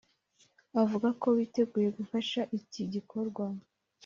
avuga ko biteguye gufasha iki gikorwa